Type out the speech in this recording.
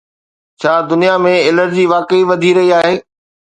ڇا دنيا ۾ الرجي واقعي وڌي رهي آهي؟